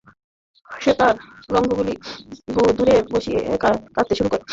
সে তার রঙগুলি দূরে সরিয়ে কাঁদতে শুরু করল।